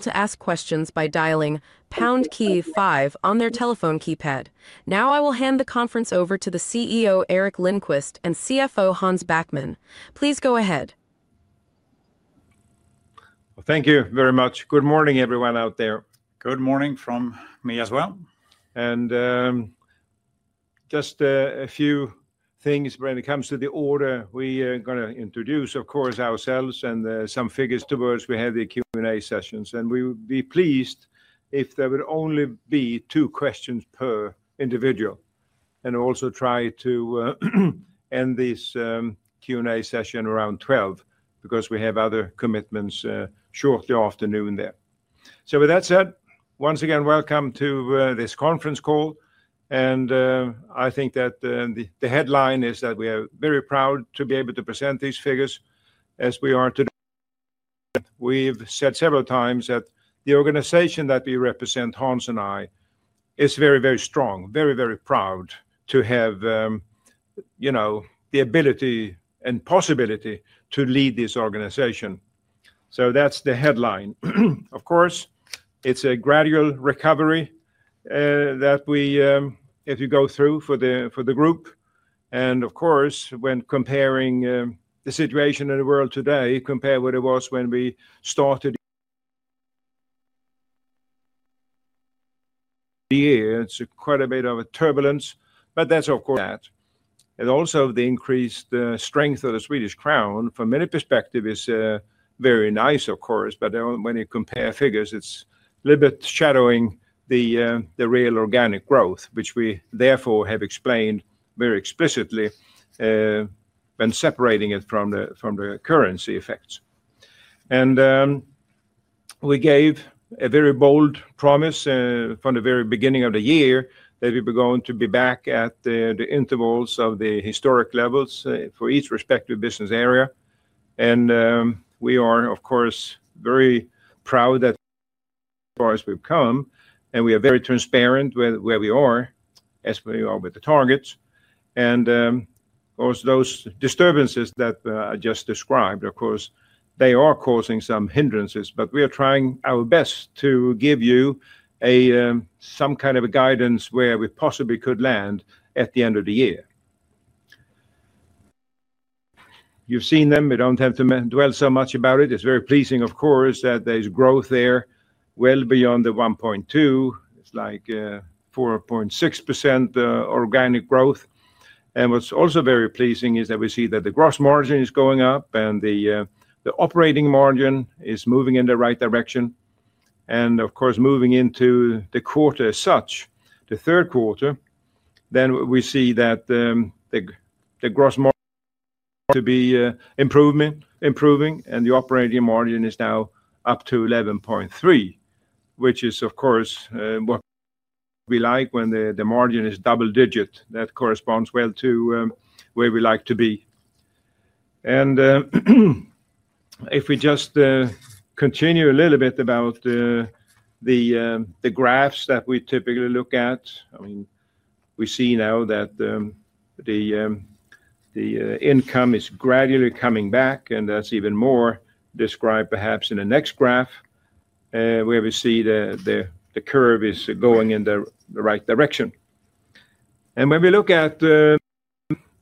to ask questions by dialing pound key 5 on their telephone keypad. Now, I will hand the conference over to the CEO, Eric Lindquist, and CFO, Hans Backman. Please go ahead. Thank you very much. Good morning, everyone out there. Good morning from me as well. Just a few things when it comes to the order. We are going to introduce, of course, ourselves and some figures towards we have the Q&A sessions. We would be pleased if there would only be two questions per individual. Also, try to end this Q&A session around 12:00 P.M. because we have other commitments shortly after noon there. With that said, once again, welcome to this conference call. I think that the headline is that we are very proud to be able to present these figures as we are today. We've said several times that the organization that we represent, Hans and I, is very, very strong, very, very proud to have, you know, the ability and possibility to lead this organization. That's the headline. Of course, it's a gradual recovery, that we, if you go through for the, for the group. Of course, when comparing the situation in the world today, compare what it was when we started here, it's quite a bit of a turbulence. That's, of course, that. Also the increased strength of the Swedish crown, from many perspectives, is very nice, of course. When you compare figures, it's a little bit shadowing the real organic growth, which we therefore have explained very explicitly, when separating it from the currency effects. We gave a very bold promise from the very beginning of the year that we were going to be back at the intervals of the historic levels for each respective business area. We are, of course, very proud that as far as we've come, and we are very transparent with where we are, as we are with the targets. Of course, those disturbances that are just described, of course, they are causing some hindrances, but we are trying our best to give you some kind of a guidance where we possibly could land at the end of the year. You've seen them. We don't have to dwell so much about it. It's very pleasing, of course, that there's growth there well beyond the 1.2. It's like 4.6% organic growth. What's also very pleasing is that we see that the gross margin is going up and the operating margin is moving in the right direction. Of course, moving into the quarter as such, the third quarter, we see that the gross margin to be improving, improving, and the operating margin is now up to 11.3%, which is, of course, what we like when the margin is double digit. That corresponds well to where we like to be. If we just continue a little bit about the graphs that we typically look at, I mean, we see now that the income is gradually coming back, and that's even more described perhaps in the next graph, where we see the curve is going in the right direction. When we look at,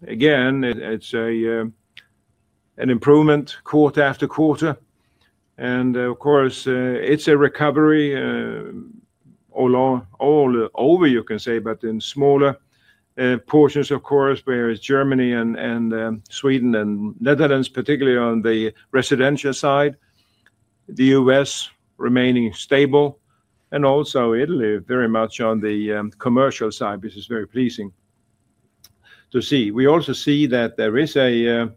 again, it's an improvement quarter after quarter. Of course, it's a recovery all over, you can say, but in smaller portions, of course, whereas Germany, Sweden, and Netherlands, particularly on the residential side, the U.S. remaining stable, and also Italy very much on the commercial side, which is very pleasing to see. We also see that there is a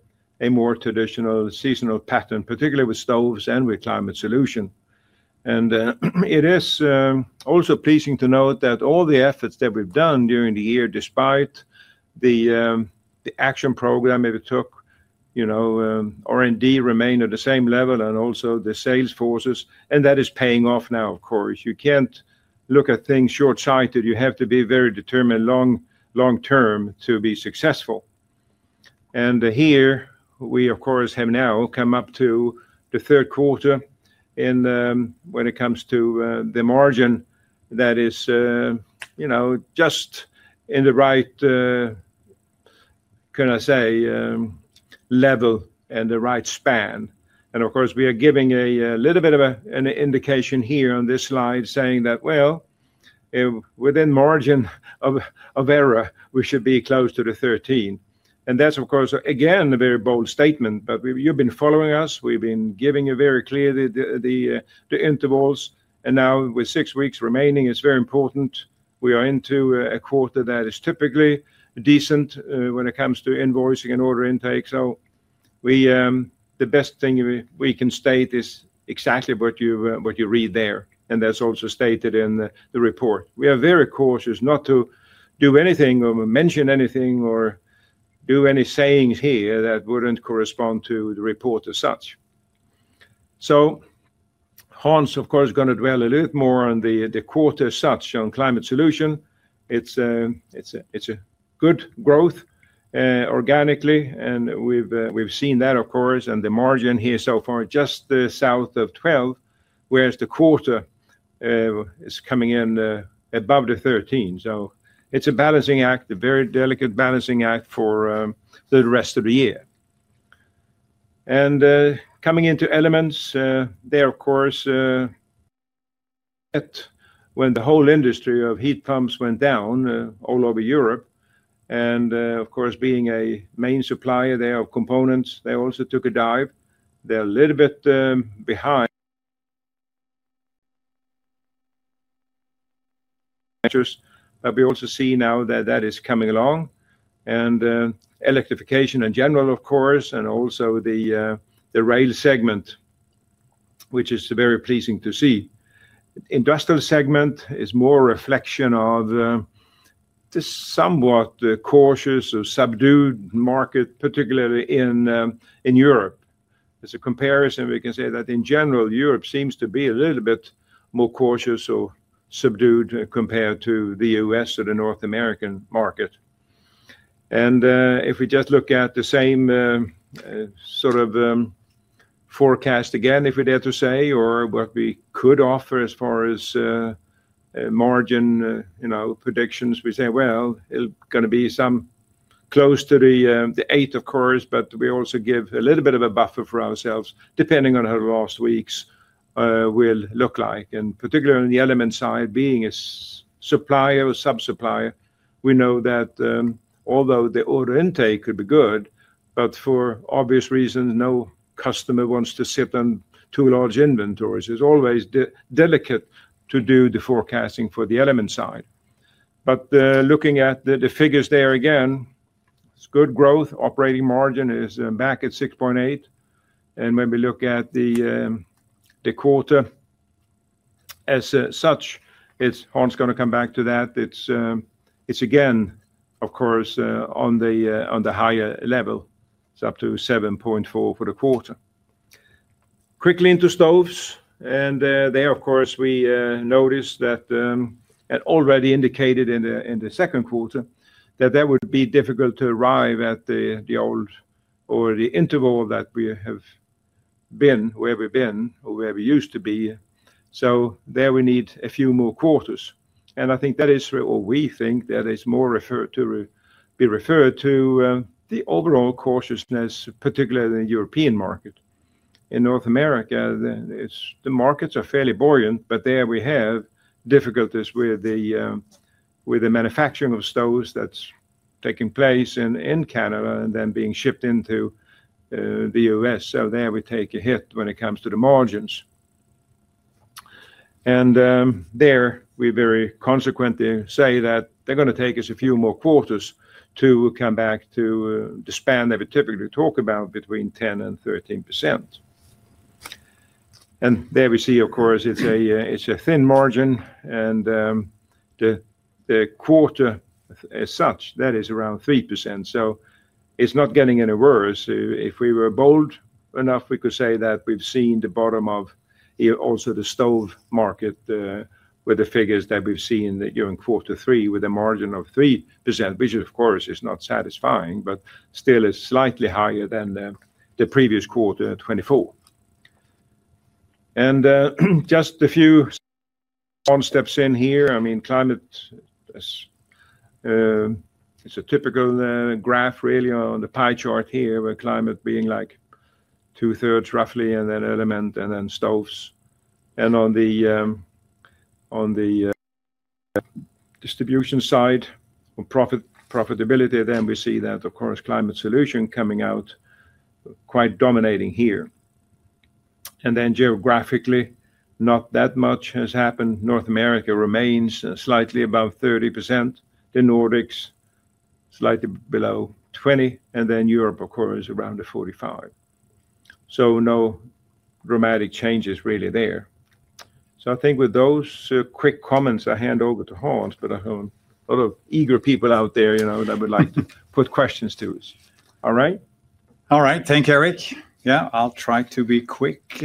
more traditional seasonal pattern, particularly with Stoves and with climate solution. It is also pleasing to note that all the efforts that we've done during the year, despite the action program that we took, you know, R&D remained at the same level, and also the sales forces, and that is paying off now, of course. You can't look at things short-sighted. You have to be very determined long term to be successful. Of course, we have now come up to the third quarter in, when it comes to the margin that is, you know, just in the right, can I say, level and the right span. Of course, we are giving a little bit of an indication here on this slide saying that, within margin of error, we should be close to the 13. That is, of course, again, a very bold statement, but you have been following us. We have been giving you very clearly the intervals. Now, with six weeks remaining, it is very important. We are into a quarter that is typically decent when it comes to invoicing and order intake. The best thing we can state is exactly what you read there. That is also stated in the report. We are very cautious not to do anything or mention anything or do any sayings here that would not correspond to the report as such. Hans, of course, is going to dwell a little bit more on the quarter as such on Climate Solutions. It is a good growth, organically. We have seen that, of course. The margin here so far just south of 12%, whereas the quarter is coming in above 13%. It is a balancing act, a very delicate balancing act for the rest of the year. Coming into Element, there, of course, when the whole industry of Heat Pumps went down all over Europe, and, of course, being a main supplier there of components, they also took a dive. They are a little bit behind. We also see now that that is coming along. Electrification in general, of course, and also the rail segment, which is very pleasing to see. The industrial segment is more a reflection of the somewhat cautious or subdued market, particularly in Europe. As a comparison, we can say that in general, Europe seems to be a little bit more cautious or subdued compared to the U.S. or the North American market. If we just look at the same sort of forecast again, if we dare to say, or what we could offer as far as margin predictions, we say it is going to be some close to the eight, of course, but we also give a little bit of a buffer for ourselves, depending on how the last weeks will look like. Particularly on the element side, being a supplier or sub-supplier, we know that although the order intake could be good, for obvious reasons, no customer wants to sit on too large inventories. It is always delicate to do the forecasting for the element side. Looking at the figures there again, it is good growth. Operating margin is back at 6.8. When we look at the quarter as such, Hans is going to come back to that. It is again, of course, on the higher level. It is up to 7.4 for the quarter. Quickly into Stoves. There, of course, we noticed that, and already indicated in the second quarter, that it would be difficult to arrive at the old or the interval that we have been, where we have been, or where we used to be. We need a few more quarters. I think that is, or we think that is more to be referred to, the overall cautiousness, particularly in the European market. In North America, the markets are fairly buoyant, but there we have difficulties with the manufacturing of Stoves that's taking place in Canada and then being shipped into the U.S. There we take a hit when it comes to the margins. We very consequently say that it's going to take us a few more quarters to come back to the span that we typically talk about between 10% and 13%. There we see, of course, it's a thin margin. The quarter as such is around 3%. It's not getting any worse. If we were bold enough, we could say that we've seen the bottom of also the Stove market, with the figures that we've seen that you're in quarter three with a margin of 3%, which of course is not satisfying, but still is slightly higher than the previous quarter 24. And, just a few one steps in here. I mean, climate, it's a typical graph really on the pie chart here, where climate being like two-thirds roughly, and then element, and then Stoves. On the distribution side on profit, profitability, then we see that, of course, climate solution coming out quite dominating here. Geographically, not that much has happened. North America remains slightly above 30%, the Nordics slightly below 20%, and then Europe, of course, around the 45%. No dramatic changes really there. I think with those quick comments, I hand over to Hans, but I've got a lot of eager people out there, you know, that would like to put questions to us. All right? All right. Thank you, Eric. Yeah, I'll try to be quick,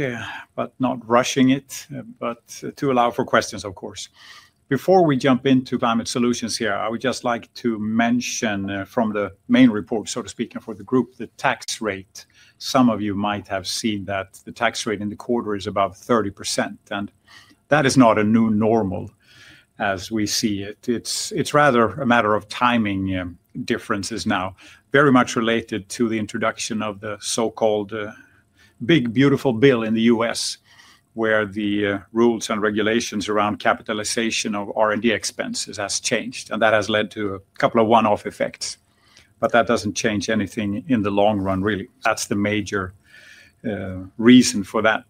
but not rushing it, but to allow for questions, of course. Before we jump into Climate Solutions here, I would just like to mention from the main report, so to speak, and for the group, the tax rate. Some of you might have seen that the tax rate in the quarter is above 30%, and that is not a new normal as we see it. It's rather a matter of timing differences now, very much related to the introduction of the so-called big beautiful bill in the U.S., where the rules and regulations around capitalization of R&D expenses has changed, and that has led to a couple of one-off effects, but that doesn't change anything in the long run really. That's the major reason for that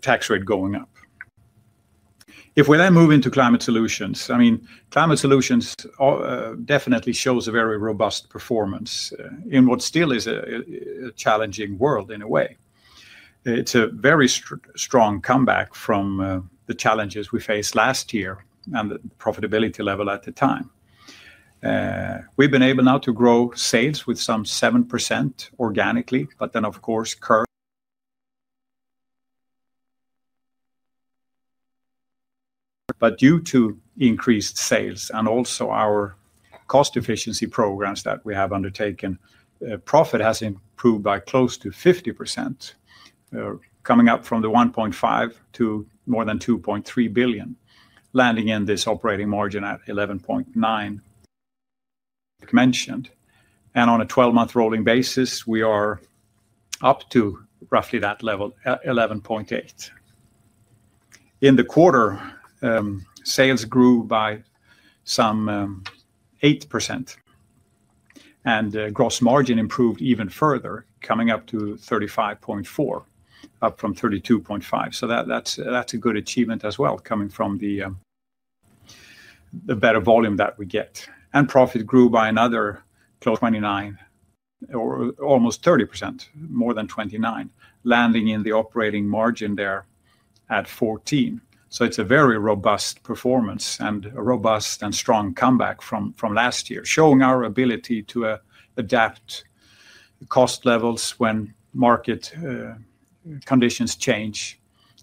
tax rate going up. If we then move into Climate Solutions, I mean, Climate Solutions definitely shows a very robust performance in what still is a challenging world in a way. It's a very strong comeback from the challenges we faced last year and the profitability level at the time. We've been able now to grow sales with some 7% organically, but then of course, curve. Due to increased sales and also our cost efficiency programs that we have undertaken, profit has improved by close to 50%, coming up from 1.5 billion to more than 2.3 billion, landing in this operating margin at 11.9%, like mentioned. On a 12-month rolling basis, we are up to roughly that level, 11.8%. In the quarter, sales grew by some 8%, and gross margin improved even further, coming up to 35.4%, up from 32.5%. That is a good achievement as well, coming from the better volume that we get. Profit grew by another close to 29% or almost 30%, more than 29%, landing in the operating margin there at 14%. It is a very robust performance and a robust and strong comeback from last year, showing our ability to adapt cost levels when market conditions change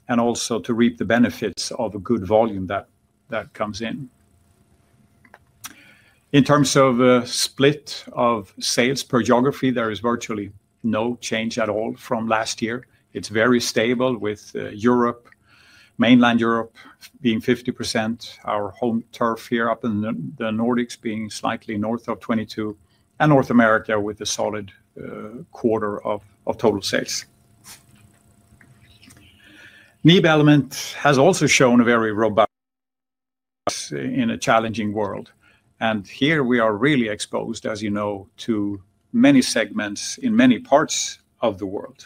and also to reap the benefits of a good volume that comes in. In terms of a split of sales per geography, there is virtually no change at all from last year. It is very stable with Europe, mainland Europe being 50%, our home turf here up in the Nordics being slightly north of 22%, and North America with a solid quarter of total sales. NIBE Element has also shown very robust performance in a challenging world. Here we are really exposed, as you know, to many segments in many parts of the world.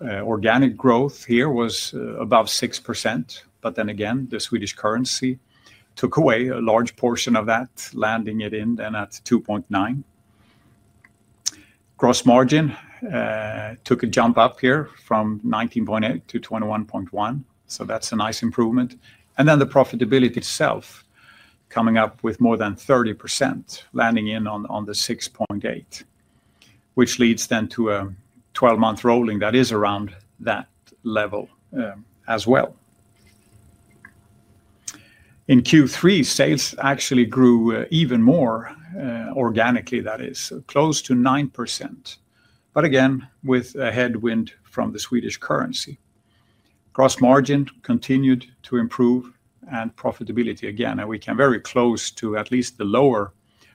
Organic growth here was above 6%, but then again, the Swedish currency took away a large portion of that, landing it then at 2.9%. Gross margin took a jump up here from 19.8%-21.1%. That is a nice improvement. Profitability itself coming up with more than 30%, landing in on the 6.8%, which leads then to a 12-month rolling that is around that level as well. In Q3, sales actually grew even more, organically, that is close to 9%, but again, with a headwind from the Swedish currency. Gross margin continued to improve and profitability again, and we came very close to at least the lower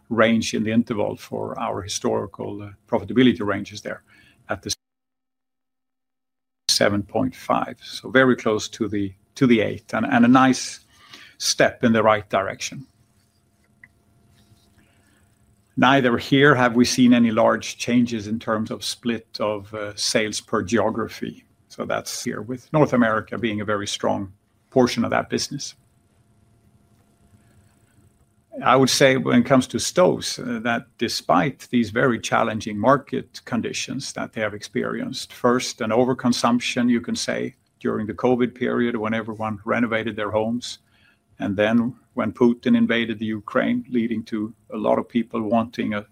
range in the interval for our historical profitability ranges there at the 7.5%. Very close to the eight and a nice step in the right direction. Neither here have we seen any large changes in terms of split of sales per geography. That is here with North America being a very strong portion of that business. I would say when it comes to Stoves, that despite these very challenging market conditions that they have experienced, first, an overconsumption, you can say, during the COVID period when everyone renovated their homes, and then when Putin invaded the Ukraine, leading to a lot of people wanting a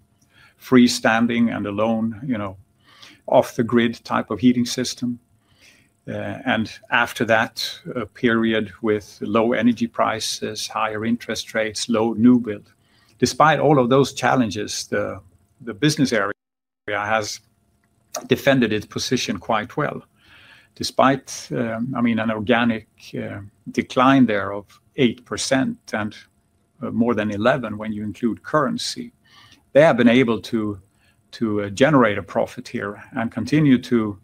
freestanding and alone, you know, off-the-grid type of heating system. After that, a period with low energy prices, higher interest rates, low new build. Despite all of those challenges, the business area has defended its position quite well. Despite, I mean, an organic decline there of 8% and more than 11% when you include currency, they have been able to generate a profit here and continue to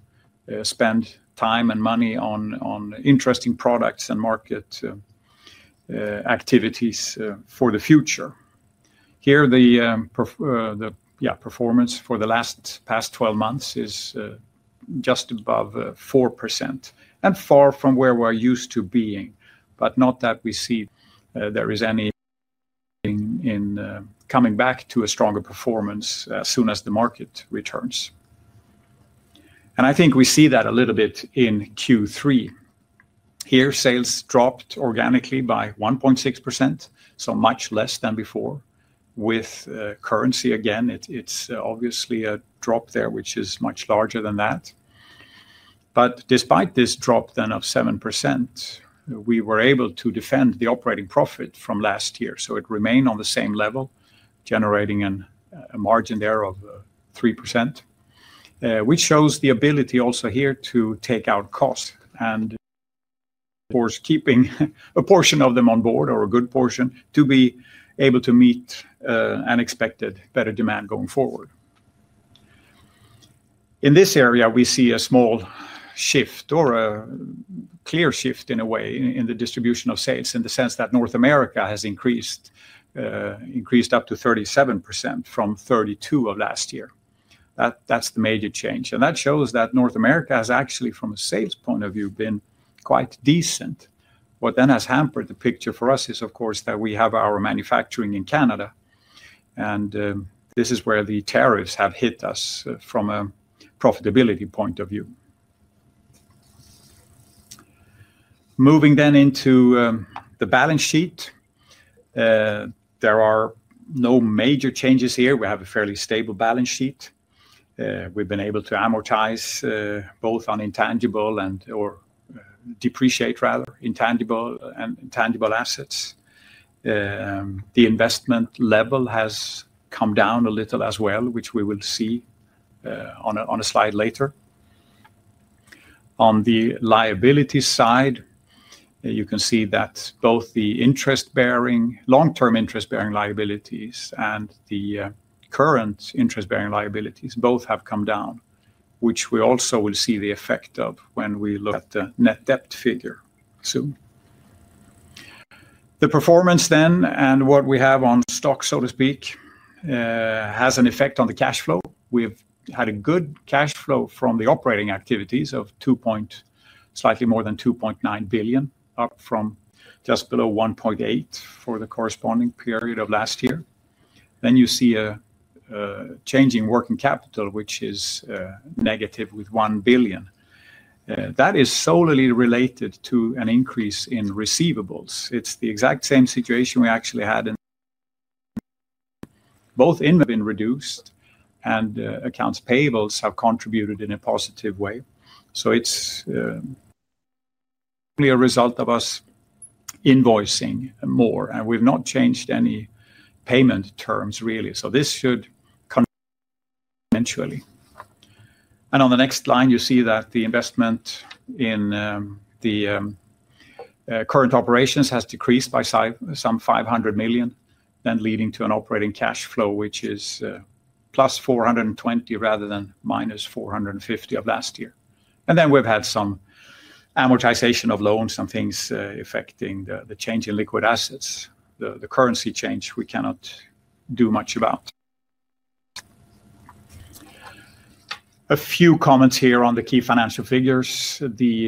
spend time and money on interesting products and market activities for the future. Here, the performance for the last past 12 months is just above 4% and far from where we're used to being, but not that we see there is any in, coming back to a stronger performance as soon as the market returns. I think we see that a little bit in Q3. Here, sales dropped organically by 1.6%, so much less than before. With currency again, it's obviously a drop there, which is much larger than that. Despite this drop then of 7%, we were able to defend the operating profit from last year. It remained on the same level, generating a margin there of 3%, which shows the ability also here to take out costs and, of course, keeping a portion of them on board or a good portion to be able to meet unexpected better demand going forward. In this area, we see a small shift or a clear shift in a way in the distribution of sales in the sense that North America has increased, increased up to 37% from 32% of last year. That, that's the major change. That shows that North America has actually, from a sales point of view, been quite decent. What then has hampered the picture for us is, of course, that we have our manufacturing in Canada. This is where the tariffs have hit us from a profitability point of view. Moving then into the balance sheet, there are no major changes here. We have a fairly stable balance sheet. We've been able to amortize, both on intangible and, or, depreciate rather, intangible and tangible assets. The investment level has come down a little as well, which we will see on a slide later. On the liability side, you can see that both the interest-bearing, long-term interest-bearing liabilities and the current interest-bearing liabilities both have come down, which we also will see the effect of when we look at the net debt figure soon. The performance then and what we have on stock, so to speak, has an effect on the cash flow. We've had a good cash flow from the operating activities of 2.9 billion, up from just below 1.8 billion for the corresponding period of last year. You see a changing working capital, which is negative with 1 billion. That is solely related to an increase in receivables. It's the exact same situation we actually had in both in been reduced and accounts payables have contributed in a positive way. It's a clear result of us invoicing more and we've not changed any payment terms really. This should eventually. On the next line, you see that the investment in the current operations has decreased by some 500 million, leading to an operating cash flow, which is +420 million rather than -450 million of last year. We have had some amortization of loans and things, affecting the change in liquid assets. The currency change we cannot do much about. A few comments here on the key financial figures. We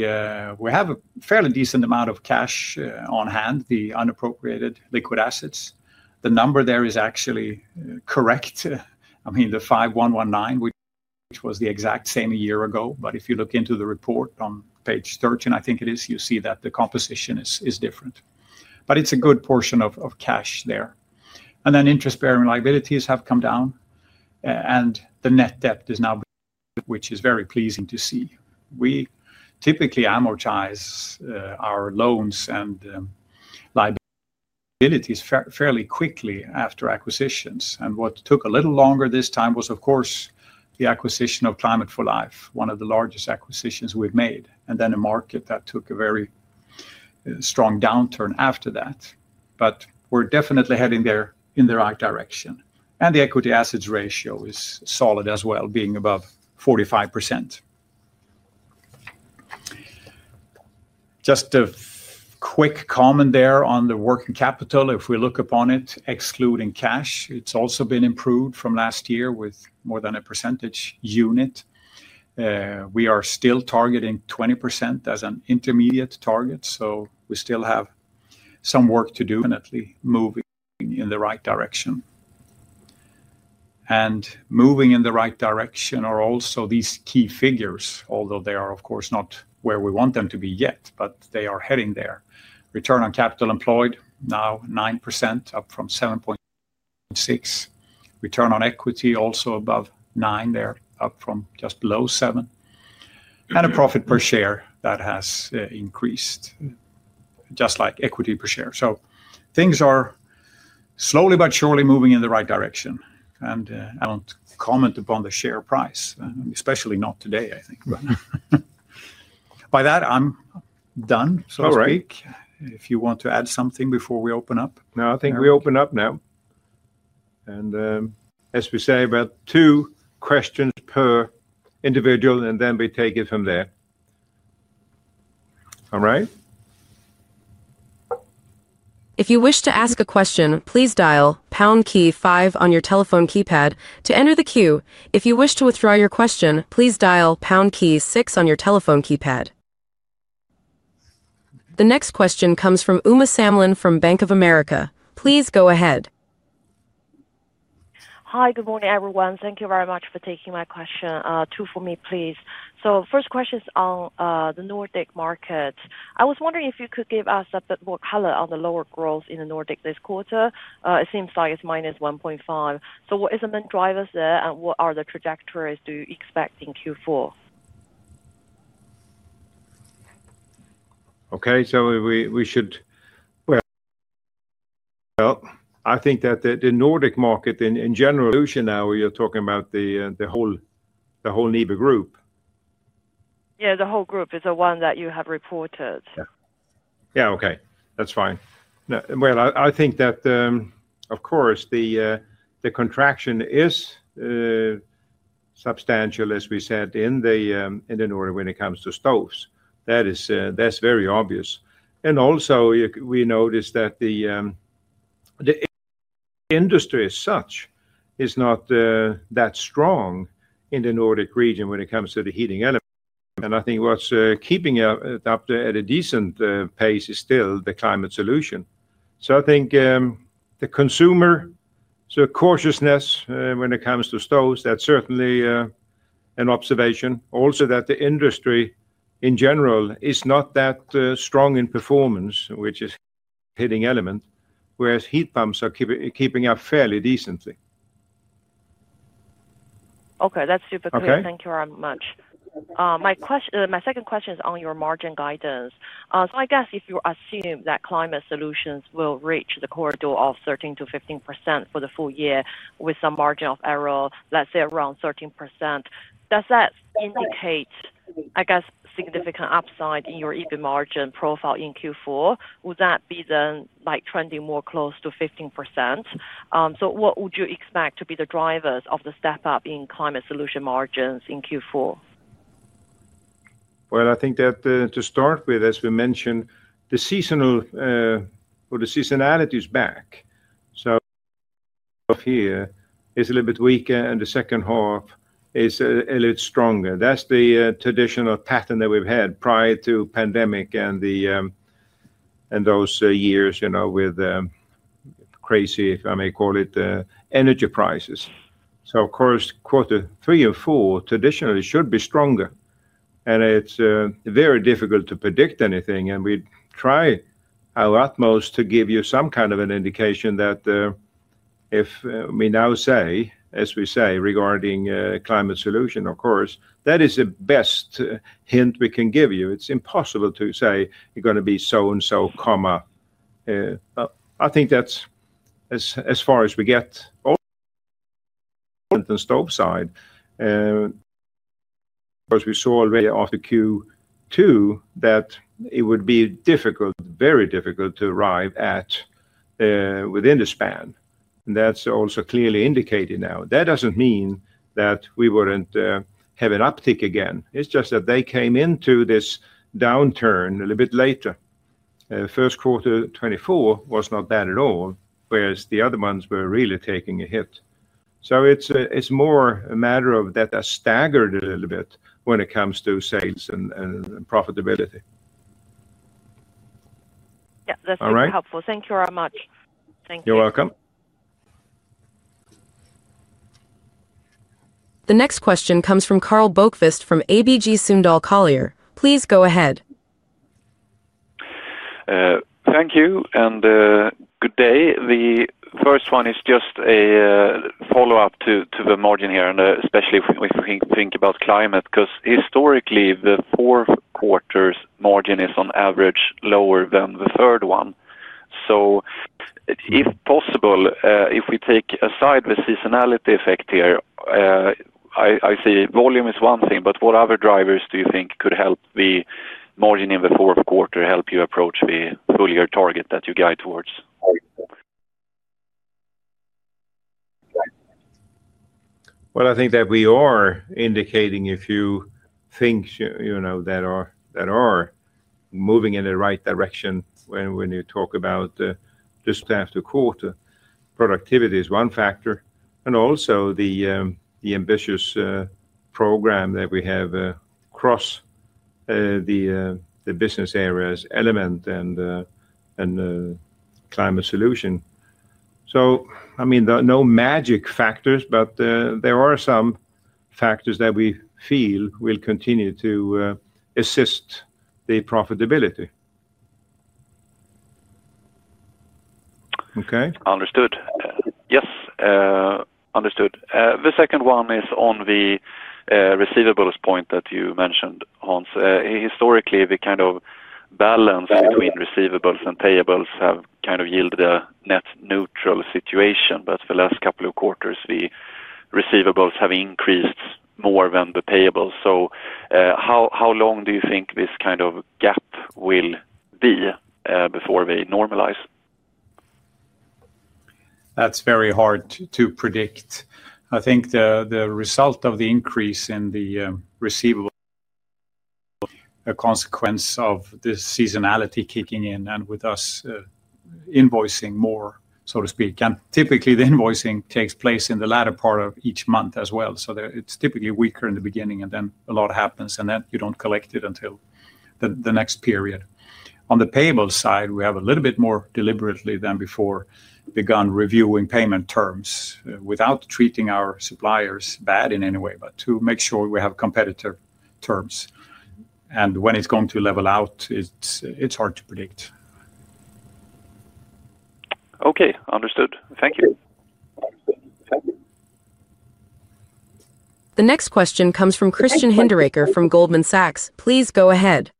have a fairly decent amount of cash on hand, the unappropriated liquid assets. The number there is actually correct. I mean, the 5,119 million, which was the exact same a year ago, but if you look into the report on page 13, I think it is, you see that the composition is different. It is a good portion of cash there. Interest-bearing liabilities have come down, and the net debt is now, which is very pleasing to see. We typically amortize our loans and liabilities fairly quickly after acquisitions. What took a little longer this time was, of course, the acquisition of Climate for Life, one of the largest acquisitions we have made, and then a market that took a very strong downturn after that. We are definitely heading there in the right direction. The equity assets ratio is solid as well, being above 45%. Just a quick comment there on the working capital. If we look upon it, excluding cash, it has also been improved from last year with more than a percentage unit. We are still targeting 20% as an intermediate target, so we still have some work to do, definitely moving in the right direction. Moving in the right direction are also these key figures, although they are, of course, not where we want them to be yet, but they are heading there. Return on capital employed now 9%, up from 7.6. Return on equity also above 9 there, up from just below 7. And a profit per share that has increased, just like equity per share. Things are slowly but surely moving in the right direction. I do not comment upon the share price, especially not today, I think. By that, I am done, so to speak. If you want to add something before we open up. No, I think we open up now. As we say, about two questions per individual and then we take it from there. All right. If you wish to ask a question, please dial pound key five on your telephone keypad to enter the queue. If you wish to withdraw your question, please dial pound key six on your telephone keypad. The next question comes from Uma Samlin from Bank of America. Please go ahead. Hi, good morning everyone. Thank you very much for taking my question. Two for me, please. First question is on the Nordic markets. I was wondering if you could give us a bit more color on the lower growth in the Nordic this quarter. It seems like it is -1.5%. What are the main drivers there and what trajectories do you expect in Q4? Okay, we should, I think that the Nordic market in general. Solution now, are you talking about the whole NIBE Group? Yeah, the whole group is the one that you have reported. Yeah, okay. That is fine. I think that, of course, the contraction is substantial, as we said, in the Nordic when it comes to Stoves. That is, that's very obvious. Also, we noticed that the industry as such is not that strong in the Nordic region when it comes to the heating element. I think what's keeping it up at a decent pace is still the climate solution. I think the consumer cautiousness when it comes to Stoves, that's certainly an observation. Also, that the industry in general is not that strong in performance, which is a heating element, whereas Heat Pumps are keeping up fairly decently. Okay, that's super clear. Thank you very much. My question, my second question is on your margin guidance. I guess if you assume that Climate Solutions will reach the corridor of 13%-15% for the full year with some margin of error, let's say around 13%, does that indicate, I guess, significant upside in your EBIT margin profile in Q4? Would that be then like trending more close to 15%? What would you expect to be the drivers of the step-up in Climate Solution margins in Q4? I think that, to start with, as we mentioned, the seasonal, or the seasonality is back. So half here is a little bit weaker and the second half is a little bit stronger. That is the traditional pattern that we have had prior to pandemic and those years, you know, with crazy, if I may call it, energy prices. Of course, quarter three and four traditionally should be stronger. It is very difficult to predict anything. We try our utmost to give you some kind of an indication that, if we now say, as we say, regarding Climate Solutions, of course, that is the best hint we can give you. It's impossible to say you're going to be so and so, I think that's as far as we get on the Stove side. Of course, we saw already after Q2 that it would be difficult, very difficult to arrive at, within the span. That is also clearly indicated now. That does not mean that we would not have an uptick again. It's just that they came into this downturn a little bit later. First quarter 2024 was not bad at all, whereas the other ones were really taking a hit. It is more a matter of that they are staggered a little bit when it comes to sales and profitability. Yeah, that's super helpful. Thank you very much. Thank you. You're welcome. The next question comes from Karl Bokvist from ABG Sundal Collier. Please go ahead. Thank you and, good day. The first one is just a follow-up to the margin here and especially if we think about climate, because historically the fourth quarter's margin is on average lower than the third one. If possible, if we take aside the seasonality effect here, I see volume is one thing, but what other drivers do you think could help the margin in the fourth quarter help you approach the full year target that you guide towards? I think that we are indicating if you think, you know, that are moving in the right direction when you talk about, just after quarter productivity is one factor. Also, the ambitious program that we have across the business areas Element and Climate Solution. I mean, there are no magic factors, but there are some factors that we feel will continue to assist the profitability. Okay. Understood. Yes, understood. The second one is on the receivables point that you mentioned, Hans. Historically, we kind of balance between receivables and payables have kind of yielded a net neutral situation, but for the last couple of quarters the receivables have increased more than the payables. How long do you think this kind of gap will be before we normalize? That's very hard to predict. I think the result of the increase in the receivable, a consequence of the seasonality kicking in and with us invoicing more, so to speak. Typically the invoicing takes place in the latter part of each month as well. It is typically weaker in the beginning and then a lot happens and then you do not collect it until the next period. On the payables side, we have a little bit more deliberately than before begun reviewing payment terms without treating our suppliers bad in any way, but to make sure we have competitive terms. When it is going to level out, it is hard to predict. Okay, understood. Thank you. The next question comes from Christian Hinderaker from Goldman Sachs. Please go ahead.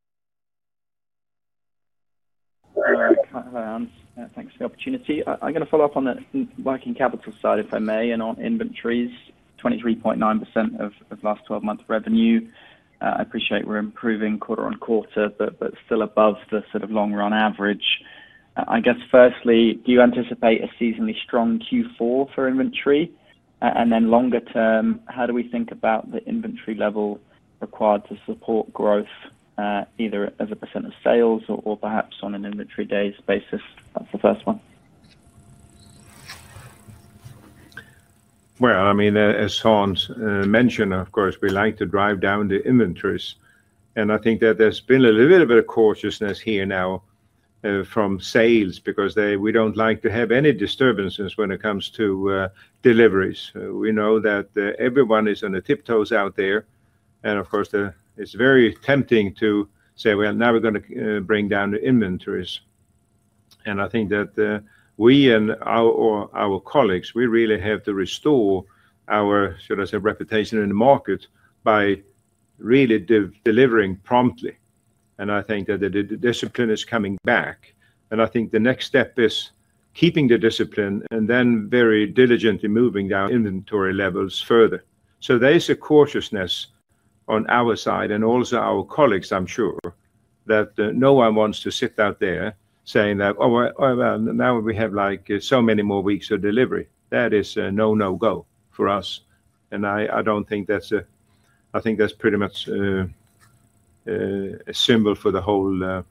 Thanks for the opportunity. I am going to follow up on the working capital side if I may and on inventories, 23.9% of last 12 months revenue. I appreciate we are improving quarter on quarter, but still above the sort of long run average. I guess firstly, do you anticipate a seasonally strong Q4 for inventory? And then longer term, how do we think about the inventory level required to support growth, either as a percent of sales or perhaps on an inventory days basis? That's the first one. I mean, as Hans mentioned, of course, we like to drive down the inventories. I think that there's been a little bit of cautiousness here now, from sales because we don't like to have any disturbances when it comes to deliveries. We know that everyone is on the tiptoes out there. Of course, it's very tempting to say, now we're going to bring down the inventories. I think that we and our colleagues, we really have to restore our, should I say, reputation in the market by really delivering promptly. I think that the discipline is coming back. I think the next step is keeping the discipline and then very diligently moving down inventory levels further. There is a cautiousness on our side and also our colleagues, I am sure, that no one wants to sit out there saying that, oh, well, now we have like so many more weeks of delivery. That is a no-no go for us. I do not think that is a, I think that is pretty much a symbol for the whole,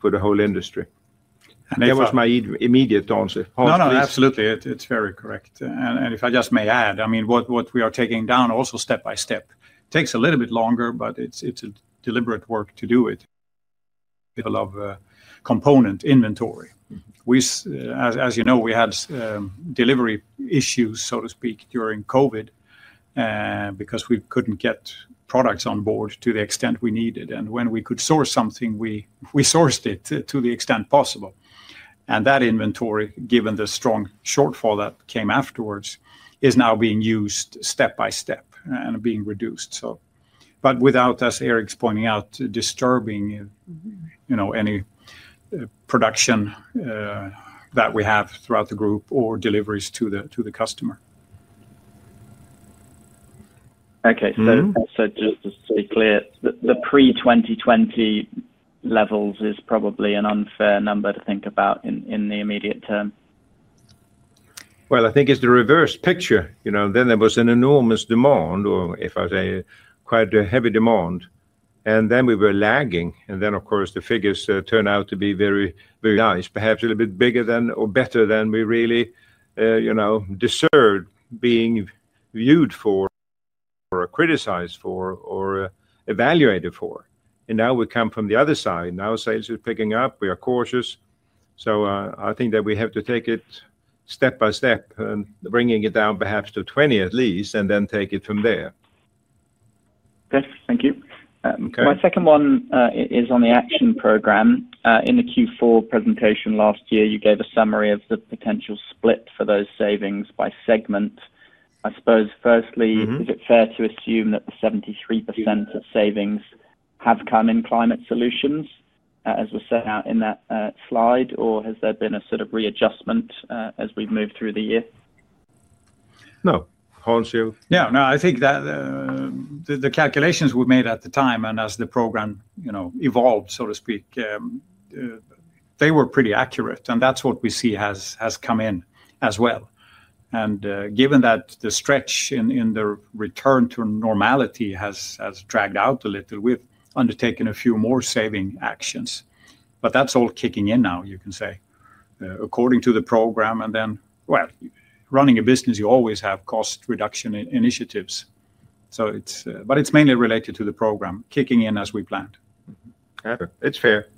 for the whole industry. That was my immediate answer. No, no, absolutely. It is very correct. If I just may add, I mean, what we are taking down also step by step takes a little bit longer, but it is a deliberate work to do it. Of component inventory. As you know, we had delivery issues, so to speak, during COVID, because we could not get products on board to the extent we needed. When we could source something, we sourced it to the extent possible. That inventory, given the strong shortfall that came afterwards, is now being used step by step and being reduced. As Eric is pointing out, without disturbing any production that we have throughout the group or deliveries to the customer. Okay. Just to be clear, the pre-2020 levels is probably an unfair number to think about in the immediate term. I think it is the reverse picture. There was an enormous demand, or if I say quite a heavy demand, and then we were lagging. Of course, the figures turned out to be very, very nice, perhaps a little bit bigger than or better than we really, you know, deserved being viewed for or criticized for or evaluated for. Now we come from the other side. Now sales is picking up. We are cautious. I think that we have to take it step by step and bring it down perhaps to 20 at least and then take it from there. Okay, thank you. My second one is on the action program. In the Q4 presentation last year, you gave a summary of the potential split for those savings by segment. I suppose firstly, is it fair to assume that the 73% of savings have come in Climate Solutions, as was set out in that slide, or has there been a sort of readjustment as we've moved through the year? No, Hans, you. Yeah, no, I think that the calculations we made at the time and as the program, you know, evolved, so to speak, they were pretty accurate. That is what we see has come in as well. Given that the stretch in the return to normality has dragged out a little, we have undertaken a few more saving actions. That is all kicking in now, you can say, according to the program. Running a business, you always have cost reduction initiatives. It is mainly related to the program kicking in as we planned. Yeah, it is fair.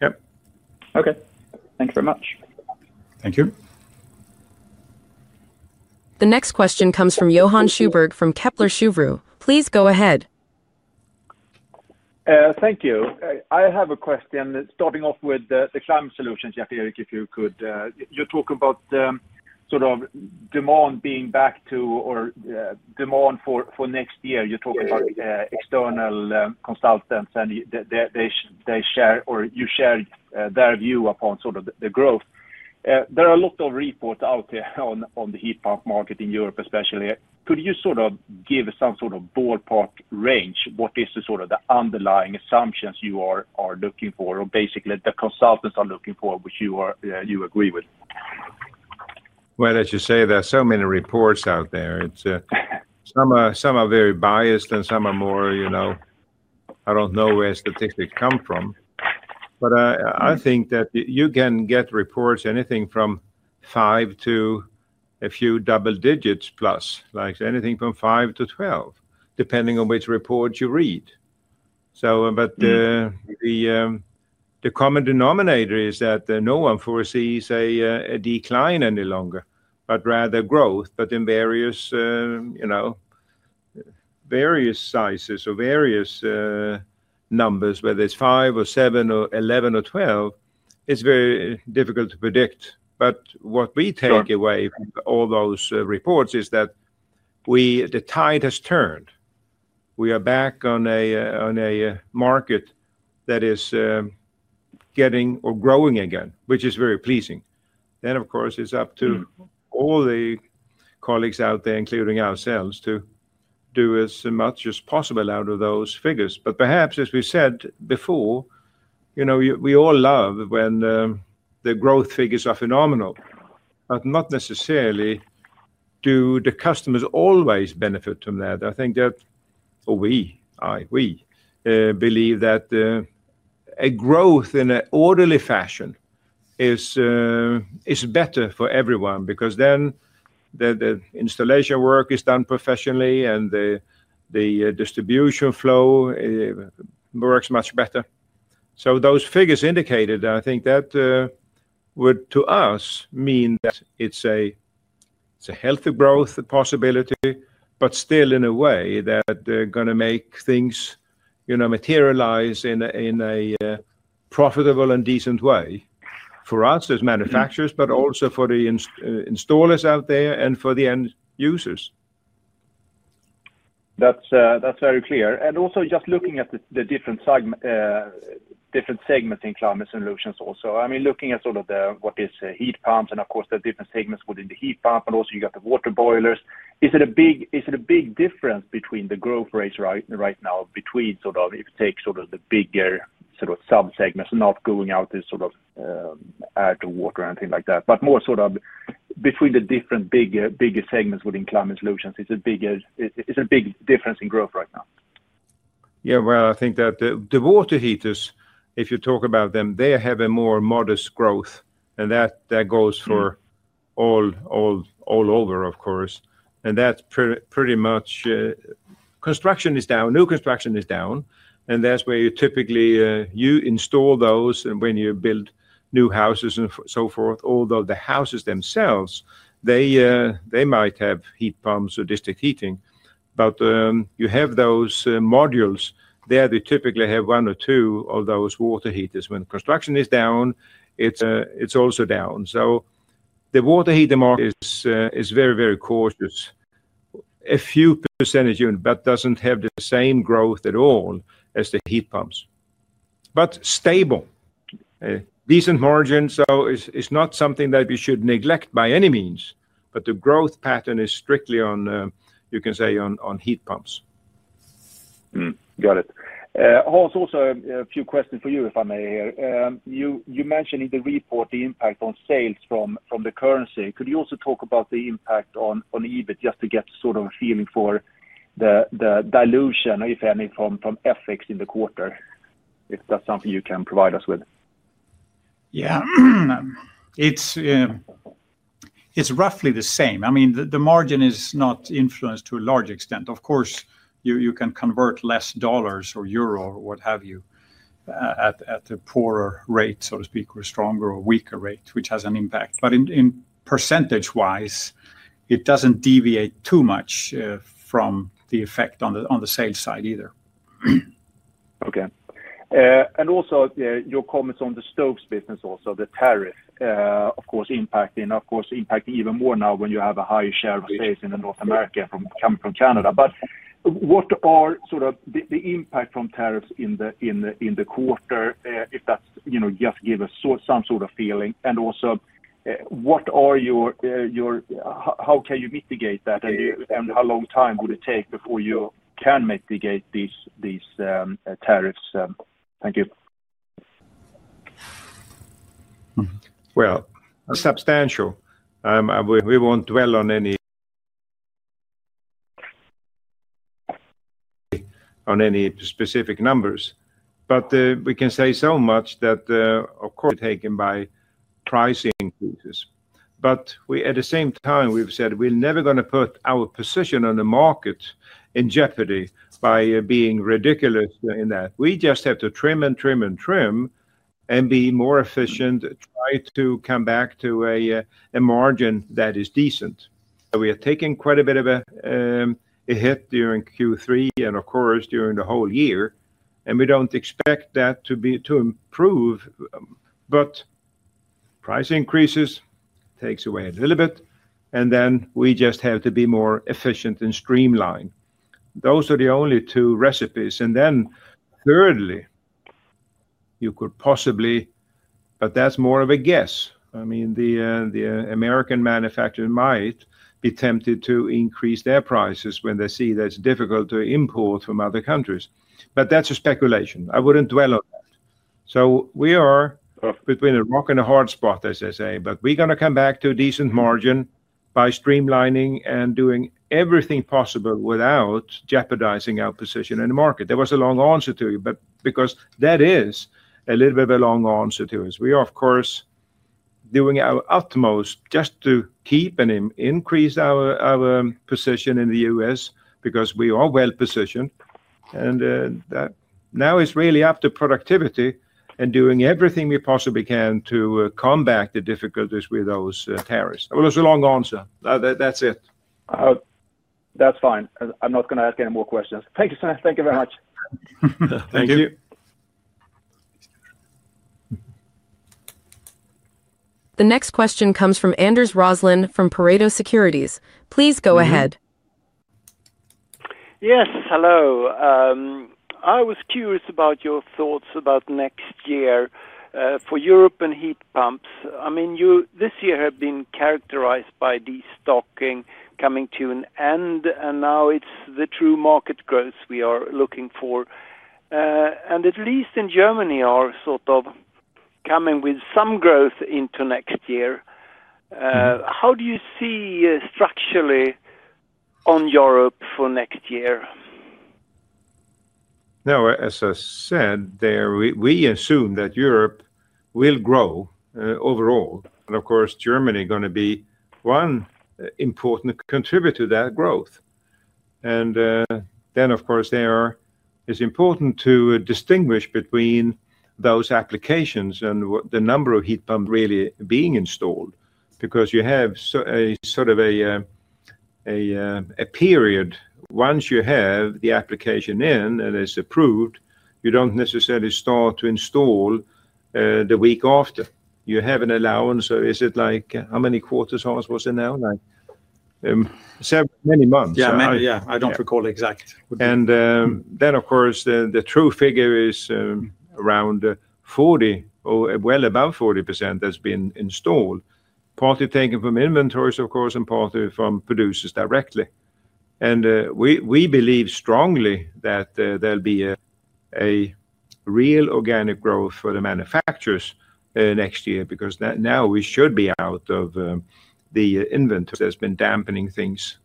Yep. Okay. Thank you very much. Thank you. The next question comes from Johan Sjöberg from Kepler Cheuvreux. Please go ahead. Thank you. I have a question starting off with the Climate Solutions. Eric, if you could, you're talking about, sort of demand being back to, or, demand for, for next year. You're talking about, external consultants and they, they share, or you shared, their view upon sort of the growth. There are a lot of reports out there on, on the Heat Pump market in Europe, especially. Could you sort of give some sort of ballpark range? What is the sort of the underlying assumptions you are looking for, or basically the consultants are looking for, which you are, you agree with? As you say, there are so many reports out there. Some are very biased and some are more, you know, I don't know where statistics come from. I think that you can get reports anything from five to a few double digits plus, like anything from five to 12, depending on which report you read. The common denominator is that no one foresees a decline any longer, but rather growth, but in various, you know, various sizes or various numbers, whether it is five or seven or 11 or 12, it is very difficult to predict. What we take away from all those reports is that we, the tide has turned. We are back on a market that is getting or growing again, which is very pleasing. Of course, it is up to all the colleagues out there, including ourselves, to do as much as possible out of those figures. Perhaps, as we said before, you know, we all love when the growth figures are phenomenal, but not necessarily do the customers always benefit from that. I think that, or we, I, we, believe that a growth in an orderly fashion is better for everyone because then the installation work is done professionally and the distribution flow works much better. Those figures indicated, I think that would to us mean that it's a healthy growth possibility, but still in a way that they're going to make things, you know, materialize in a profitable and decent way for us as manufacturers, but also for the installers out there and for the end users. That's very clear. Also, just looking at the different segments in Climate Solutions also. I mean, looking at sort of the, what is Heat Pumps and of course the different segments within the Heat Pump, but also you got the water boilers. Is it a big, is it a big difference between the growth rates right now between sort of, if you take sort of the bigger sort of sub-segments not going out to sort of, add to water or anything like that, but more sort of between the different bigger, bigger segments within Climate Solutions, is it bigger, is it a big difference in growth right now? Yeah, I think that the water heaters, if you talk about them, they have a more modest growth and that goes for all over, of course. That's pretty much, construction is down, new construction is down. That is where you typically, you install those when you build new houses and so forth, although the houses themselves, they might have Heat Pumps or district heating, but you have those modules there. They typically have one or two of those water heaters. When construction is down, it is also down. The water heater market is very, very cautious. A few percentage points, but does not have the same growth at all as the Heat Pumps, but stable, decent margin. It is not something that we should neglect by any means, but the growth pattern is strictly on, you can say, on Heat Pumps. Got it. Hans, also a few questions for you, if I may here. You mentioned in the report the impact on sales from the currency. Could you also talk about the impact on EBIT just to get sort of a feeling for the dilution, if any, from FX in the quarter? If that's something you can provide us with. Yeah, it's roughly the same. I mean, the margin is not influenced to a large extent. Of course, you can convert less dollars or euro or what have you, at a poorer rate, so to speak, or stronger or weaker rate, which has an impact. In percentage wise, it doesn't deviate too much from the effect on the sales side either. Okay. Also, your comments on the Stoves business, also, the tariff, of course, impacting, of course, impacting even more now when you have a higher share of sales in North America coming from Canada. What are sort of the impact from tariffs in the quarter, if that's, you know, just give us some sort of feeling. Also, what are your, your, how can you mitigate that? How long time would it take before you can mitigate these tariffs? Thank you. Substantial. We won't dwell on any specific numbers, but we can say so much that, of course, taken by price increases. At the same time, we've said we're never going to put our position on the market in jeopardy by being ridiculous in that. We just have to trim and trim and trim and be more efficient, try to come back to a margin that is decent. We are taking quite a bit of a hit during Q3 and of course during the whole year. We do not expect that to improve, but price increases take away a little bit. We just have to be more efficient and streamline. Those are the only two recipes. Thirdly, you could possibly, but that is more of a guess. I mean, the American manufacturer might be tempted to increase their prices when they see that it is difficult to import from other countries, but that is speculation. I would not dwell on that. We are between a rock and a hard spot, as I say, but we are going to come back to a decent margin by streamlining and doing everything possible without jeopardizing our position in the market. That was a long answer to you, but because that is a little bit of a long answer to us. We are, of course, doing our utmost just to keep and increase our, our position in the U.S. because we are well positioned. That now is really up to productivity and doing everything we possibly can to combat the difficulties with those tariffs. That was a long answer. That's it. That's fine. I'm not going to ask any more questions. Thank you, sir. Thank you very much. Thank you. The next question comes from Anders Roslin from Pareto Securities. Please go ahead. Yes. Hello. I was curious about your thoughts about next year, for Europe and Heat Pumps. I mean, you this year have been characterized by the stocking coming to an end, and now it's the true market growth we are looking for. I mean, at least in Germany are sort of coming with some growth into next year. How do you see structurally on Europe for next year? No, as I said there, we assume that Europe will grow, overall. Of course, Germany is going to be one important contributor to that growth. There is important to distinguish between those applications and what the number of Heat Pumps really being installed, because you have a sort of a period once you have the application in and it is approved, you do not necessarily start to install the week after. You have an allowance. Is it like how many quarters? Hans, was it now? Like, several many months. Yeah, I do not recall exact. The true figure is around 40% or well above 40% that has been installed, partly taken from inventories, of course, and partly from producers directly. We believe strongly that there'll be real organic growth for the manufacturers next year, because now we should be out of the inventory that's been dampening things.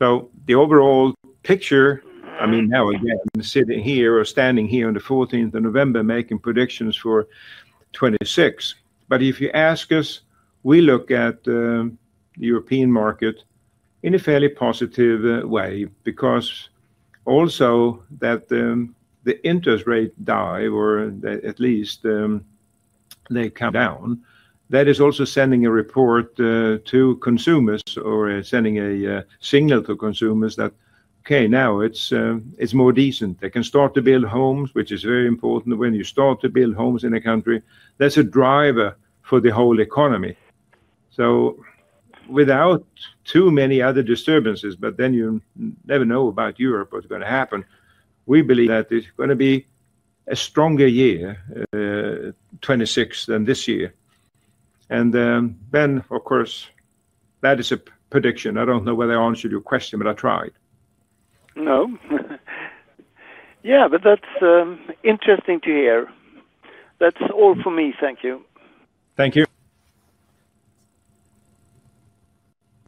The overall picture, I mean, now again, sitting here or standing here on the 14th of November, making predictions for 2026. If you ask us, we look at the European market in a fairly positive way, because also that the interest rate dive, or at least, they come down, that is also sending a report to consumers or sending a signal to consumers that, okay, now it's more decent. They can start to build homes, which is very important when you start to build homes in a country. That's a driver for the whole economy. Without too many other disturbances, but then you never know about Europe, what's going to happen. We believe that it's going to be a stronger year, 2026 than this year. Of course, that is a prediction. I don't know whether I answered your question, but I tried. No. Yeah, but that's interesting to hear. That's all for me. Thank you. Thank you.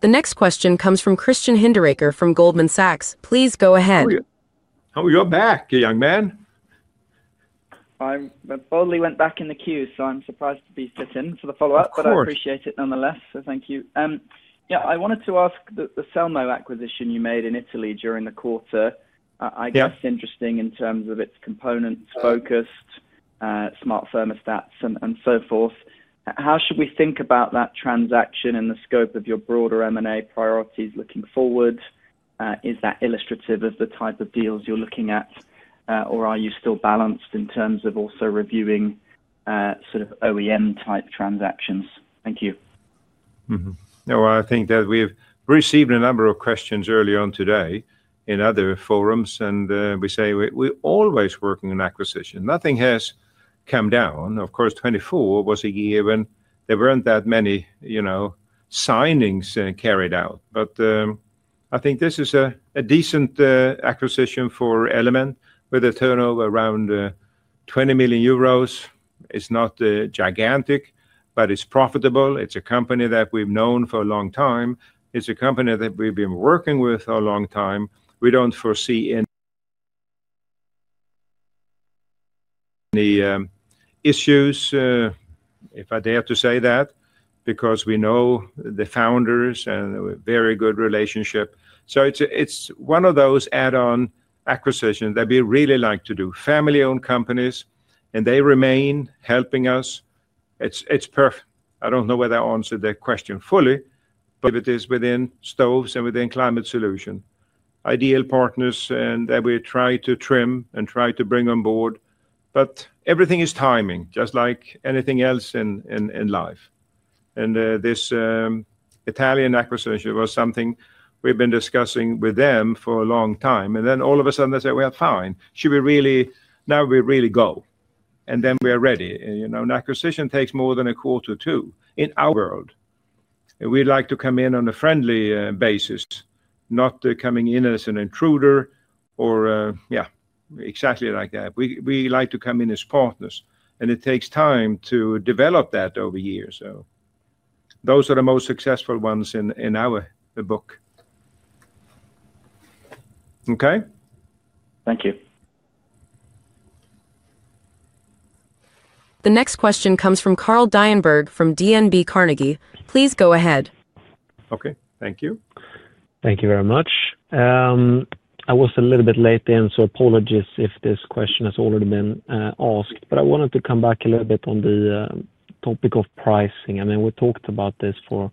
The next question comes from Christian Hinderaker from Goldman Sachs. Please go ahead. Oh, you're back, young man. I only went back in the queue, so I'm surprised to be sitting for the follow-up, but I appreciate it nonetheless. Thank you. Yeah, I wanted to ask, the Selmo acquisition you made in Italy during the quarter. I guess interesting in terms of its components focused, smart thermostats and so forth. How should we think about that transaction and the scope of your broader M&A priorities looking forward? Is that illustrative of the type of deals you're looking at, or are you still balanced in terms of also reviewing, sort of OEM type transactions? Thank you. Mm-hmm. No, I think that we've received a number of questions early on today in other forums, and, we say we're always working on acquisition. Nothing has come down. Of course, 2024 was a year when there weren't that many, you know, signings carried out. I think this is a decent acquisition for Element with a turnover around 20 million euros. It's not gigantic, but it's profitable. It's a company that we've known for a long time. It's a company that we've been working with a long time. We don't foresee any issues, if I dare to say that, because we know the founders and a very good relationship. It is one of those add-on acquisitions that we really like to do, family-owned companies, and they remain helping us. It is perfect. I do not know whether I answered that question fully, but it is within Stoves and within Climate Solution, ideal partners, and that we try to trim and try to bring on board. Everything is timing, just like anything else in life. This Italian acquisition was something we have been discussing with them for a long time. All of a sudden they said, fine, should we really, now we really go? Then we are ready. You know, an acquisition takes more than a quarter too in our world. We like to come in on a friendly basis, not coming in as an intruder or, yeah, exactly like that. We like to come in as partners, and it takes time to develop that over years. Those are the most successful ones in our book. Okay. Thank you. The next question comes from Carl Dienberg from DNB Carnegie. Please go ahead. Okay. Thank you. Thank you very much. I was a little bit late there, and so apologies if this question has already been asked, but I wanted to come back a little bit on the topic of pricing. I mean, we talked about this for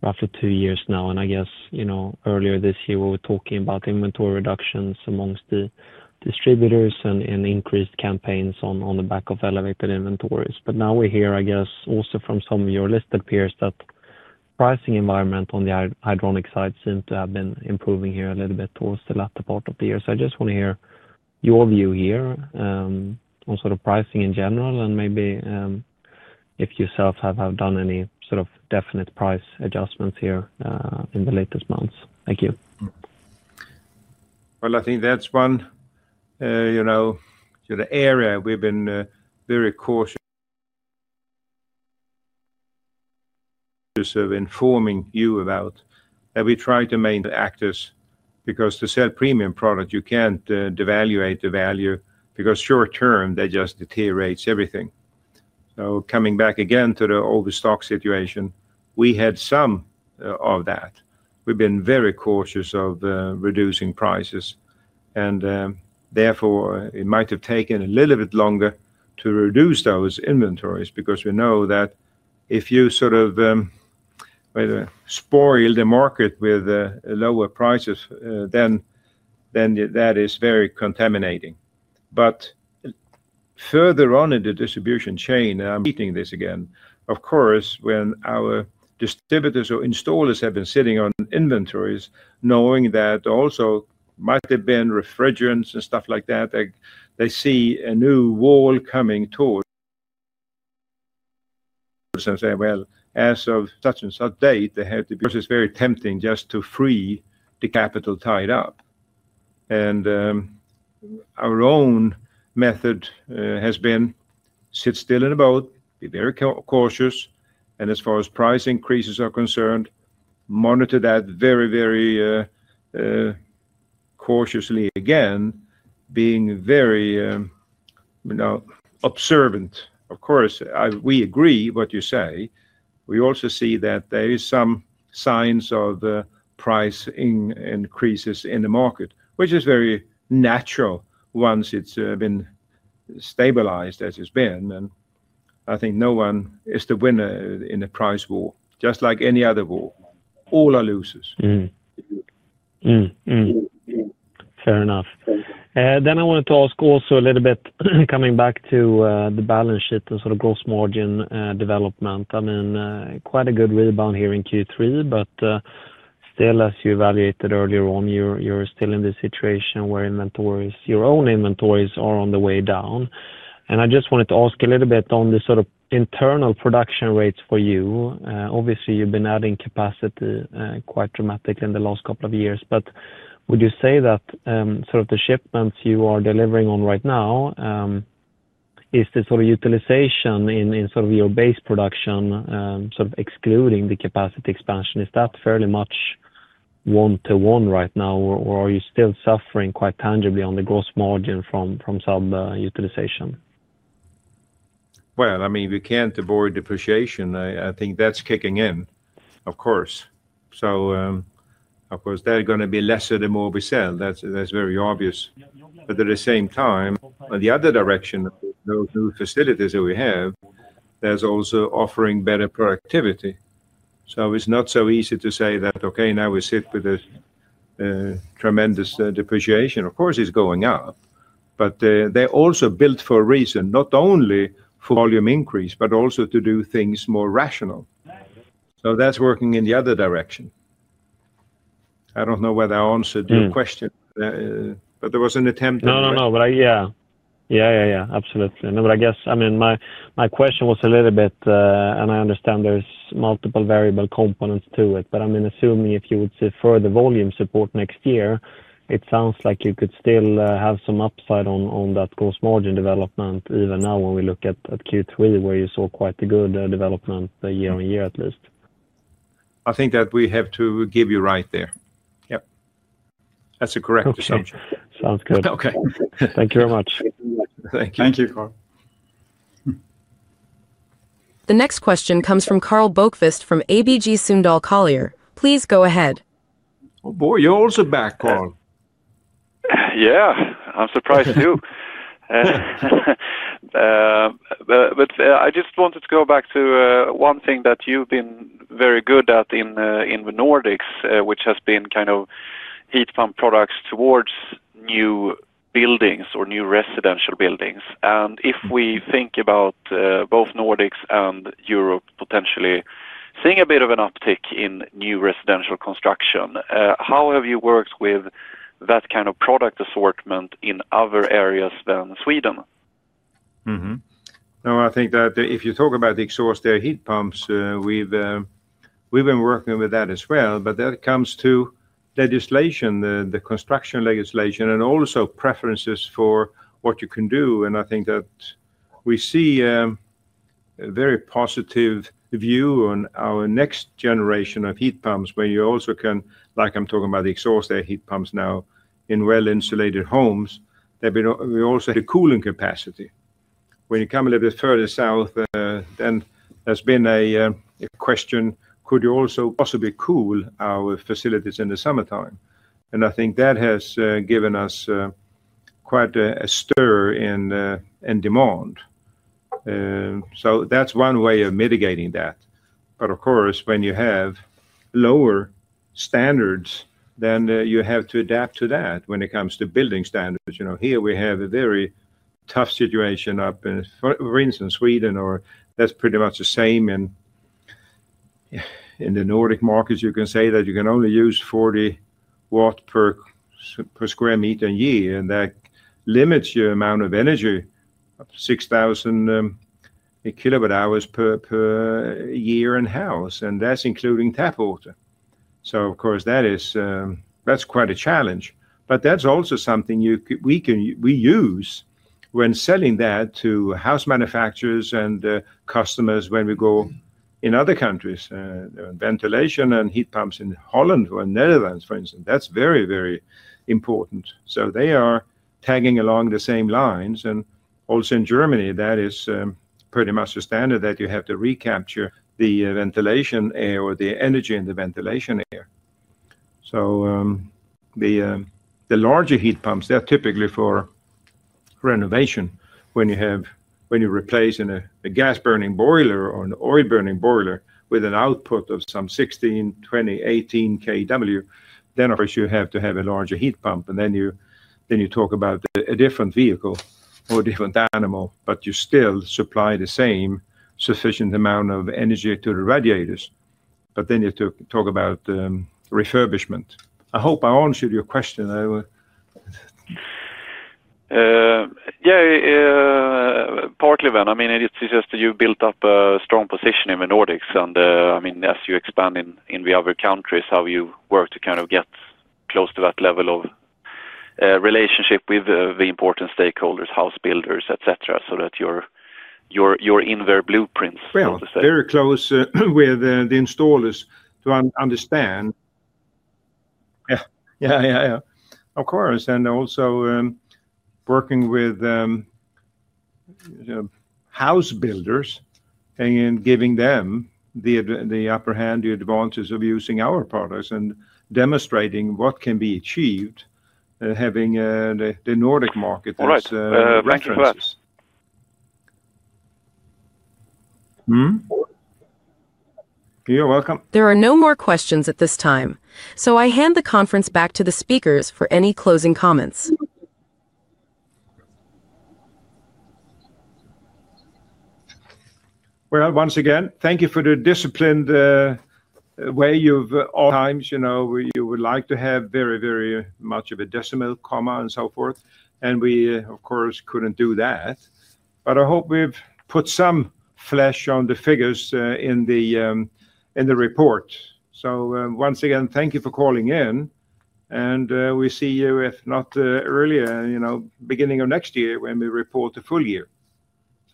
roughly two years now, and I guess, you know, earlier this year we were talking about inventory reductions amongst the distributors and increased campaigns on the back of elevated inventories. Now we hear, I guess, also from some of your listed peers that pricing environment on the hydronic side seemed to have been improving here a little bit towards the latter part of the year. I just want to hear your view here, on sort of pricing in general, and maybe, if you yourself have done any sort of definite price adjustments here in the latest months. Thank you. I think that's one, you know, sort of area we've been very cautious of informing you about, that we try to main actors because to sell premium product, you can't devaluate the value because short term that just deteriorates everything. Coming back again to the old stock situation, we had some of that. We've been very cautious of reducing prices, and therefore it might have taken a little bit longer to reduce those inventories because we know that if you sort of spoil the market with lower prices, then that is very contaminating. Further on in the distribution chain, and I'm heating this again, of course, when our distributors or installers have been sitting on inventories, knowing that also might have been refrigerants and stuff like that, they see a new wall coming towards and say, as of such and such date, they have to be very tempting just to free the capital tied up. Our own method has been sit still in a boat, be very cautious. As far as price increases are concerned, monitor that very, very cautiously again, being very, you know, observant. Of course, I, we agree what you say. We also see that there are some signs of price increases in the market, which is very natural once it's been stabilized as it's been. I think no one is the winner in a price war, just like any other war. All are losers. Mm-hmm. Mm-hmm. Mm-hmm. Fair enough. I wanted to ask also a little bit coming back to the balance sheet and sort of gross margin development. I mean, quite a good rebound here in Q3, but still, as you evaluated earlier on, you're still in the situation where inventories, your own inventories are on the way down. I just wanted to ask a little bit on the sort of internal production rates for you. Obviously, you've been adding capacity quite dramatically in the last couple of years, but would you say that the shipments you are delivering on right now, is the utilization in your base production, excluding the capacity expansion? Is that fairly much one to one right now, or are you still suffering quite tangibly on the gross margin from subutilization? I mean, we can't avoid depreciation. I think that's kicking in, of course. Of course, that's going to be lesser the more we sell. That's very obvious. At the same time, in the other direction, those new facilities that we have are also offering better productivity. It's not so easy to say that, okay, now we sit with this tremendous depreciation. Of course, it's going up, but they're also built for a reason, not only for volume increase, but also to do things more rational. So that's working in the other direction. I don't know whether I answered your question, but there was an attempt to. No, no, but I, yeah. Yeah, yeah, absolutely. No, but I guess, I mean, my question was a little bit, and I understand there's multiple variable components to it, but I mean, assuming if you would see further volume support next year, it sounds like you could still have some upside on that gross margin development even now when we look at Q3, where you saw quite the good development year on year at least. I think that we have to give you right there. Yep. That's a correct assumption. Sounds good. Okay. Thank you very much. Thank you. Thank you, Carl. The next question comes from Karl Bokvist from ABG Sundal Collier. Please go ahead. Oh, boy, you're also back, Carl. Yeah, I'm surprised too. I just wanted to go back to one thing that you've been very good at in the Nordics, which has been kind of Heat Pump products towards new buildings or new residential buildings. If we think about both Nordics and Europe potentially seeing a bit of an uptick in new residential construction, how have you worked with that kind of product assortment in other areas than Sweden? Mm-hmm. No, I think that if you talk about the exhaust air Heat Pumps, we've been working with that as well, but that comes to legislation, the construction legislation and also preferences for what you can do. I think that we see a very positive view on our next generation of Heat Pumps where you also can, like I'm talking about the exhaust air Heat Pumps now in well-insulated homes. There have been, we also had a cooling capacity. When you come a little bit further south, there's been a question, could you also possibly cool our facilities in the summertime? I think that has given us quite a stir in demand. That's one way of mitigating that. Of course, when you have lower standards, you have to adapt to that when it comes to building standards. You know, here we have a very tough situation up in, for instance, Sweden, or that's pretty much the same in the Nordic markets. You can say that you can only use 40 watt per sq mi year, and that limits your amount of energy of 6,000 kilowatt hours per year in-house, and that's including tap water. Of course, that is quite a challenge, but that's also something you can, we can, we use when selling that to house manufacturers and customers when we go in other countries. Ventilation and Heat Pumps in Holland or Netherlands, for instance, that's very, very important. They are tagging along the same lines. Also in Germany, that is pretty much the standard that you have to recapture the ventilation air or the energy in the ventilation air. The larger Heat Pumps, they're typically for renovation. When you replace a gas burning boiler or an oil burning boiler with an output of some 16, 20, 18 kW, then of course you have to have a larger Heat Pump. Then you talk about a different vehicle or a different animal, but you still supply the same sufficient amount of energy to the radiators. Then you talk about refurbishment. I hope I answered your question. Yeah, partly then, I mean, it's just that you've built up a strong position in the Nordics. I mean, as you expand in the other countries, how you work to kind of get close to that level of relationship with the important stakeholders, house builders, et cetera, so that your invert blueprints, so to say. Very close with the installers to understand. Yeah. Yeah, yeah, yeah. Of course. Also, working with, you know, house builders and giving them the upper hand, the advances of using our products and demonstrating what can be achieved, having the Nordic market that's ranking first. You're welcome. There are no more questions at this time, so I hand the conference back to the speakers for any closing comments. Once again, thank you for the disciplined way you've all times, you know, you would like to have very, very much of a decimal comma and so forth. We, of course, could not do that, but I hope we've put some flesh on the figures in the report. Once again, thank you for calling in, and we see you, if not earlier, you know, beginning of next year when we report the full year.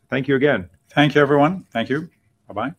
Thank you again. Thank you, everyone. Thank you. Bye-bye.